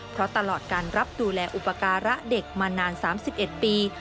เพราะตลอดการรับดูแลอุปการะเด็กมานาน๓๑ปี